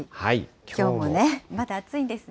きょうもね、まだ暑いんですね。